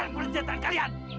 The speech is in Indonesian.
lepaskan aku di antara kalian